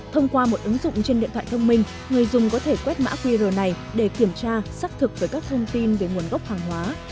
thông qua một ứng dụng trên điện thoại thông minh người dùng có thể quét mã qr này để kiểm tra xác thực với các thông tin về nguồn gốc hàng hóa